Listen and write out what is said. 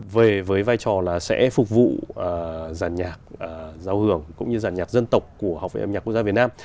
với vai trò là sẽ phục vụ giàn nhạc giáo hưởng cũng như giàn nhạc dân tộc của hợp viên âm nhạc quốc gia việt nam